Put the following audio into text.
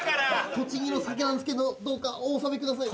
栃木の酒なんですけどどうかお納めください。